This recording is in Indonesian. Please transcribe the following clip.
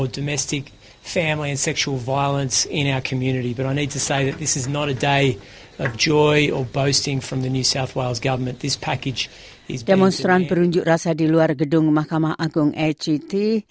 demonstran berunjuk rasa di luar gedung mahkamah agung acut